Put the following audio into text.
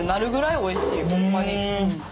おいしいホンマに。